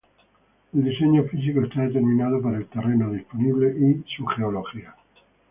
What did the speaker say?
El diseño físico está determinado por el terreno disponible y su geología.